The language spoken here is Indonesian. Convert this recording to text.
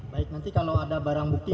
baik nanti kalau ada barang bukti